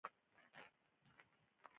د کاندنسر پورته او ښکته کولو لپاره پیچ لري.